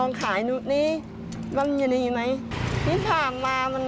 น้ำเบียบน้ำเบียบน้ำเบียบ